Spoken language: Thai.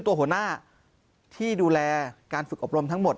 ตัวหัวหน้าที่ดูแลการฝึกอบรมทั้งหมด